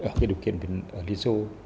ở cái điều kiện ở liên xô